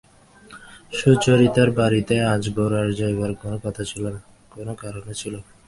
সুচরিতার বাড়িতে আজ গোরার যাইবার কোনো কথা ছিল না, কোনো কারণও ছিল না।